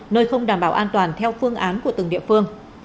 nơi không đảm bảo an toàn theo phương án của từng địa phương